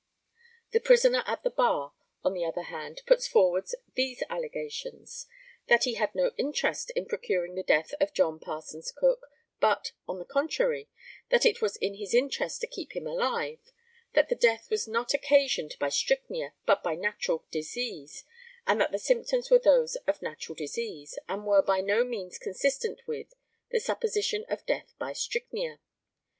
The prisoner at the bar, on the other hand, puts forward these allegations that he had no interest in procuring the death of John Parsons Cook, but, on the contrary, that it was his interest to keep him alive; that the death was not occasioned by strychnia, but by natural disease, and that the symptoms were those of natural disease, and were by no means consistent with, the supposition of death by strychnia.